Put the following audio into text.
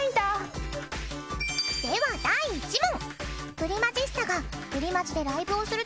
では第１問。